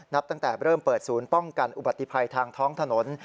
ตั้งแต่เริ่มเปิดศูนย์ป้องกันอุบัติภัยทางท้องถนน